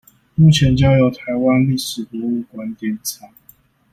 目前交由臺灣歷史博物館典藏